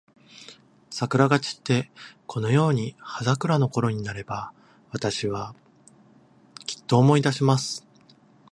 桜が散って、このように葉桜のころになれば、私は、きっと思い出します。